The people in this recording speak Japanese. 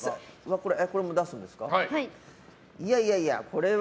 いやいや、これは。